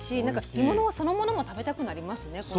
なんか干物そのものも食べたくなりますね